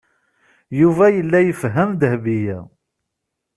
Yuba yella yefhem Dahbiya.